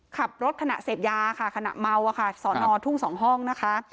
ขับรถขณะเสพยาค่ะขณะเมาอะค่ะสอนอทุ่งสองห้องนะคะ